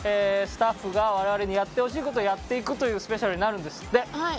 スタッフが我々にやってほしい事をやっていくというスペシャルになるんですって。